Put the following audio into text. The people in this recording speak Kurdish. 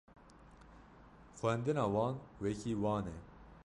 Xwendina wan wekî wan e